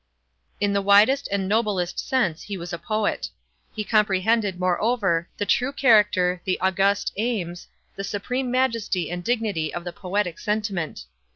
In the widest and noblest sense he was a poet. He comprehended, moreover, the true character, the august aims, the supreme majesty and dignity of the poetic sentiment.